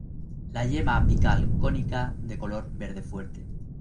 La yema apical cónica de color verde fuerte.